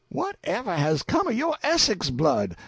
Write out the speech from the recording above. "Whatever has come o' yo' Essex blood?